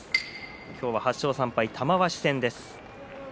今日は８勝３敗、玉鷲戦です。